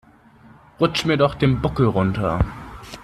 Rutsch mir doch den Buckel runter.